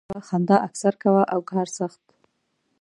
مینه ډېره کوه، خندا اکثر کوه او کار سخت.